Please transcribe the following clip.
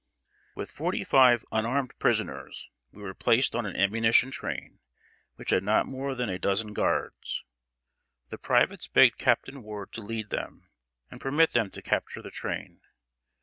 ] With forty five unarmed prisoners, we were placed on an ammunition train, which had not more than a dozen guards. The privates begged Captain Ward to lead them, and permit them to capture the train.